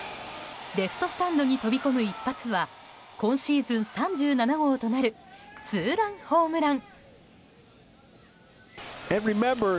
レフトスタンドに飛び込む一発は今シーズン３７号となるツーランホームラン。